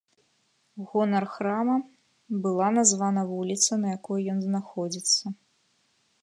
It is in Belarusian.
У гонар храма бала названа вуліца, на якой ён знаходзіцца.